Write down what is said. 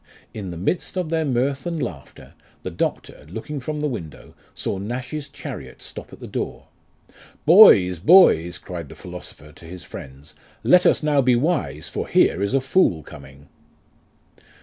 In the midst of their mirth and laughter, the doctor, looking from the window, saw Nash's. chariot stop at the door. " Boys, boys," cried the philosopher to his friends, " let us now be wise, for here is a fool coming."